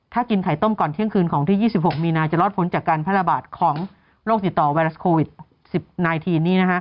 ถ้ากินไข่ต้มก่อนเที่ยงคืนของที่๒๖มีนาจะรอดพ้นจากการแพร่ระบาดของโรคติดต่อไวรัสโควิด๑๐นาที